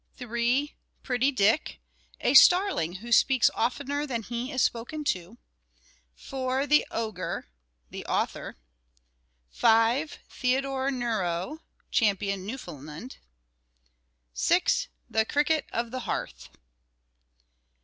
3 PRETTY DICK a starling who speaks oftener than he is spoken to. 4. THE OGRE The Author. 5. THEODORE NERO champion Newfoundland. 6. THE CRICKET OF THE HEARTH.